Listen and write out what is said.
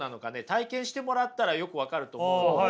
体験してもらったらよく分かると思うので。